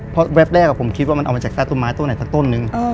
เพราะแวบแรกผมคิดว่ามันเอามาจากใต้ต้นไม้ต้นไหนสักต้นนึง